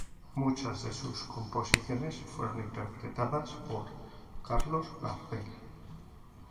Muchas de sus composiciones fueron interpretadas por Carlos Gardel.